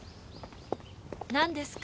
何ですか？